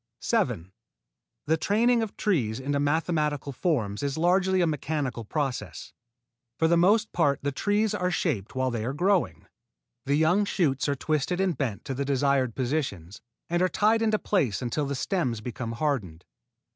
7. The training of trees into mathematical forms is largely a mechanical process. For the most part the trees are shaped while they are growing. The young shoots are twisted and bent to the desired positions, and are tied into place until the stems become hardened.